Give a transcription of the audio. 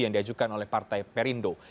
yang diajukan oleh partai perindo